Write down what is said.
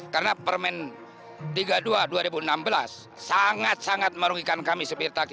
karena permen tiga puluh dua dua ribu enam belas sangat sangat merungikan kami sopir taksi